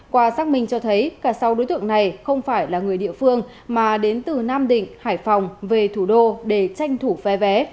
qua xác minh cho thấy cả sáu đối tượng này không phải là người địa phương mà đến từ nam định hải phòng về thủ đô để tranh thủ phe vé